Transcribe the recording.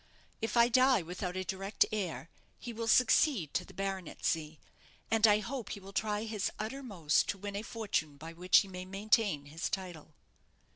If I die without a direct heir, he will succeed to the baronetcy, and I hope he will try his uttermost to win a fortune by which he may maintain his title."